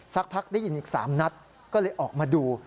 สักพักได้ยินอีก๓นัดก็เลยออกมาดู